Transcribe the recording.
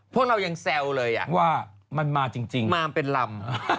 พวกเรายังแซวเลยว่ามันมาจริงมาเป็นลำ